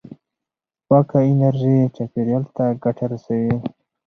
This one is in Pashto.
پاکه انرژي چاپېریال ته ګټه رسوي.